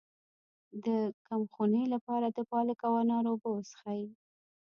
د کمخونۍ لپاره د پالک او انار اوبه وڅښئ